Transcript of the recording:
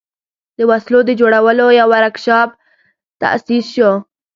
د وسلو د جوړولو یو ورکشاپ تأسیس شو.